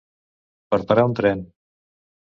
Per parar un tren.